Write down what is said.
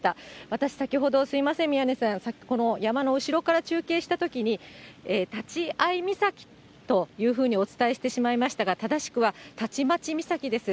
私、先ほど、すみません、宮根さん、さっきこの、山の後ろから中継したときに、たちあい岬というふうにお伝えしてしまいましたが、正しくは、たちまち岬です。